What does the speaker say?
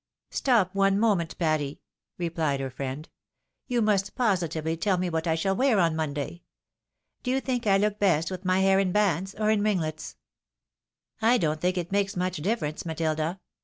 " Stop one moment, Patty !" replied her friend ;" you must positively tell me what I shall wear on Monday. Do you think I look best vrith my hair in bands, or in ringlets ?"" I don't think it makes much difference, Matilda.